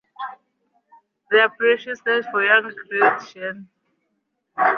The appellation stands for Young Earth Creationism.